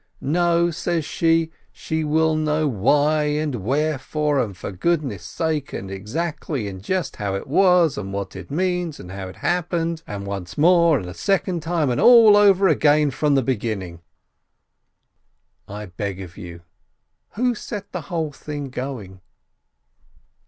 No, she says, she will know why and where fore and for goodness' sake and exactly, and just how it was, and what it means, and how it happened, and once more and a second time, and all over again from the beginning ! I beg of you — who set the whole thing going?